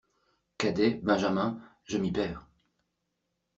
Cadet, benjamin, je m'y perds.